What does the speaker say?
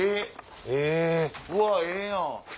うわええやん！